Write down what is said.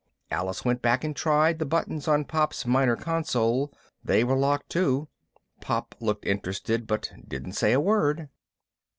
Alice went back and tried the buttons on Pop's minor console. They were locked too. Pop looked interested but didn't say a word.